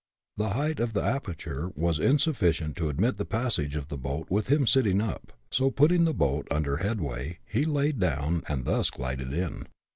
The height of the aperture was insufficient to admit the passage of the boat with him sitting up; so putting the boat under headway he lay down and thus glided in.